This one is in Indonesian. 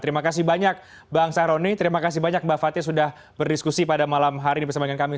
terima kasih banyak bang sarawut terima kasih banyak mbak fathia sudah berdiskusi pada malam hari bersama kami